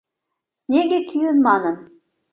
Снеге кӱын манын